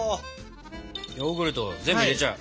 ヨーグルト全部入れちゃう？